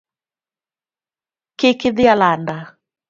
Kik idhi alanda